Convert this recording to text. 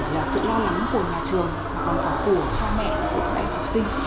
là sự lo lắng của nhà trường mà còn cả của cha mẹ của các em học sinh